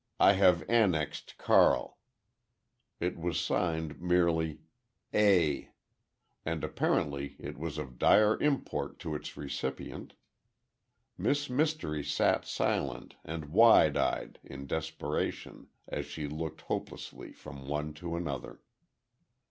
I have annexed Carl." It was signed merely "A" and apparently it was of dire import to its recipient. Miss Mystery sat silent, and wide eyed in desperation, as she looked hopelessly from one to another.